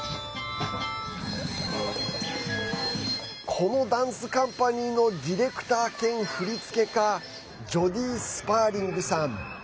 このダンスカンパニーのディレクター兼振付家ジョディー・スパーリングさん。